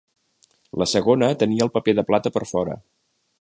La segona tenia el paper de plata per fora.